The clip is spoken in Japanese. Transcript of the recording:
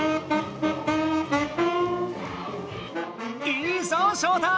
いいぞショウタ！